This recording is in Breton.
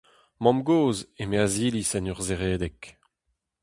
Mamm-gozh eme Aziliz en ur zeredek.